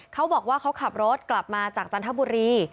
เขาบอกว่าเขาขับรถกลับมาจากจันทบุรี